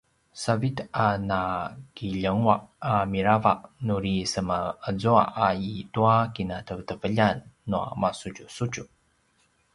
savid a nakiljengua’ a mirava nuri semaazua a i tua kinateveteveljan nua masudjusudju